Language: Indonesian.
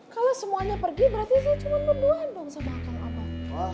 kalau semuanya pergi berarti saya cuma nuduhan dong sama kang abah